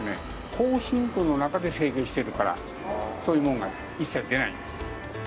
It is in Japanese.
高真空の中で成型してるからそういうものが一切出ないんです。